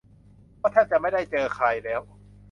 ก็แทบจะไม่ได้เจอใครแล้ว